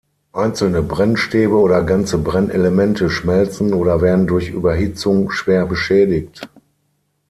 Einzelne Brennstäbe oder ganze Brennelemente schmelzen oder werden durch Überhitzung schwer beschädigt.